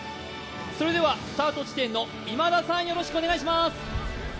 それではスタート地点の今田さん、よろしくお願いします。